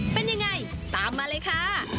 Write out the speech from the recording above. เป็นยังไงตามมาเลยค่ะ